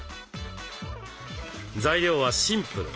材料はシンプル。